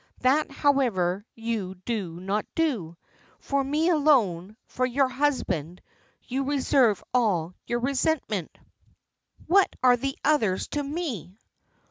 That, however, you do not do. For me alone, for your husband, you reserve all your resentment." "What are the others to me?"